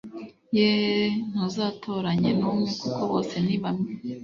yeee ntuzatoranye n'umwe kuko bose nibamwe